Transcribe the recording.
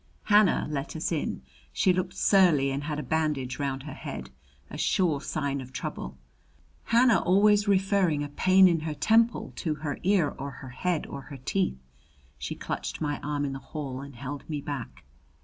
Hannah let us in. She looked surly and had a bandage round her head, a sure sign of trouble Hannah always referring a pain in her temper to her ear or her head or her teeth. She clutched my arm in the hall and held me back.